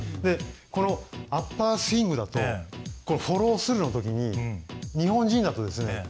このアッパースイングだとこのフォロースルーのときに日本人だとですね